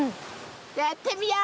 やってみよ！